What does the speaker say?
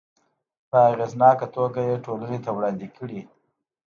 په اغیزناکه توګه یې ټولنې ته وړاندې کړي.